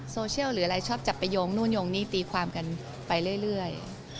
โซเชียลหรืออะไรชอบจับไปโยงนู่นโยงนี่ตีความกันไปเรื่อยเรื่อย